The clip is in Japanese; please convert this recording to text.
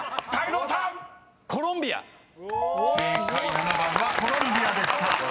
７番は「コロンビア」でした］